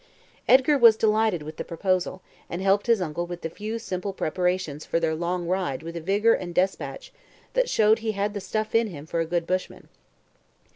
Edgar was delighted with the proposal, and helped his uncle with the few simple preparations for their long ride with a vigour and despatch that showed he had the stuff in him for a good bushman.